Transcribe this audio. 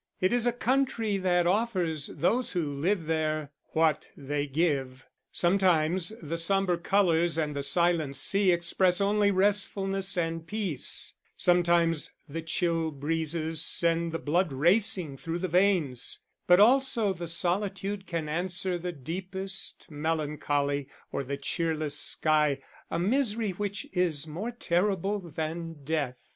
It is a country that offers those who live there, what they give: sometimes the sombre colours and the silent sea express only restfulness and peace; sometimes the chill breezes send the blood racing through the veins; but also the solitude can answer the deepest melancholy, or the cheerless sky a misery which is more terrible than death.